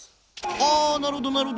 あなるほどなるほど。